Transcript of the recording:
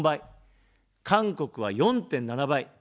韓国は４．７倍。